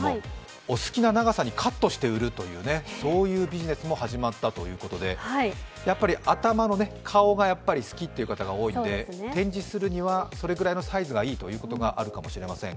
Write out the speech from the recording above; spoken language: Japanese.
お好きな長さにカットして売るというビジネスも始まったということで頭の顔が好きという方が多いので展示するにはそれくらいのサイズがいいということがあるかもしれません。